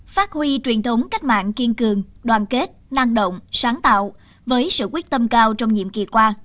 phát huy truyền thống cách mạng kiên cường đoàn kết năng động sáng tạo với sự quyết tâm cao trong nhiệm kỳ qua